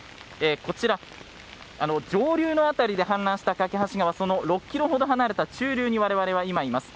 こちら、上流の辺りで氾濫した梯川から６ｋｍほど離れた中流に我々は今、います。